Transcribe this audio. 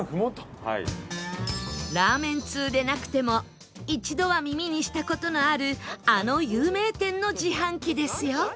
ラーメン通でなくても一度は耳にした事のあるあの有名店の自販機ですよ